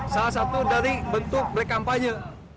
salah satu dari bentuk black kampanye